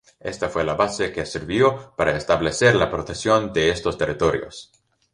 Esta fue la base que sirvió para establecer la protección de estos territorios.